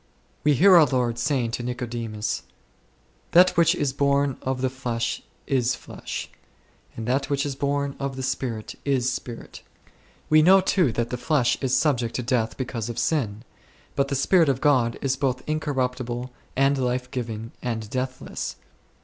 We hear our Lord saying to Nicodemus, "That which is born of the flesh is flesh ; and that which is born of the Spirit is spirit6." We know too that the flesh is subject to death because of sin, .but the Spirit of God is both incorruptible, and life giving, and deathless.